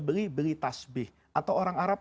beli beli tasbih atau orang arab